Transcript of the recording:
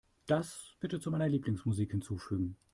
Das bitte zu meiner Lieblingsmusik hinzufügen.